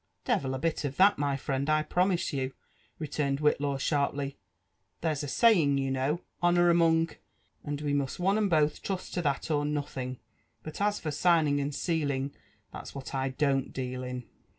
" Devil a bit of that, my friend, I promise you I" returned Whitlaw sharply. There's a saying, you know —* Honour among ....' and we must one and both trust to that or nothing : but as for signing and sealing, that's what I don't deal in."